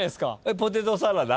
ポテトサラダ？